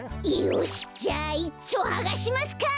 よしじゃいっちょはがしますか。